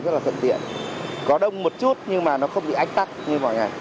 các phương án ghi lại